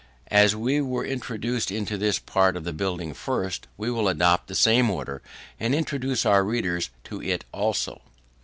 As we were introduced into this part of the building first, we will adopt the same order, and introduce our readers to it also.